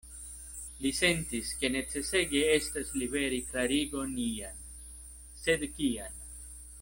Li sentis, ke necesege estas liveri klarigon ian; sed kian?